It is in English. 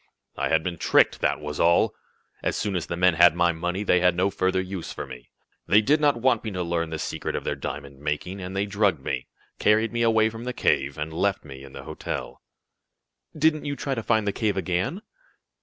"I had been tricked, that was all! As soon as the men had my money they had no further use for me. They did not want me to learn the secret of their diamond making, and they drugged me, carried me away from the cave, and left me in the hotel." "Didn't you try to find the cave again?"